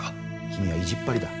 君は意地っ張りだ。